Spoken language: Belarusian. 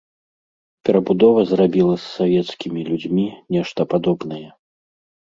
Перабудова зрабіла з савецкімі людзьмі нешта падобнае.